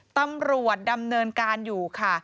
ตำรวจดำเนินการอยู่ค่ะ